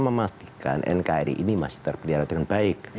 memastikan nkri ini masih terpelihara dengan baik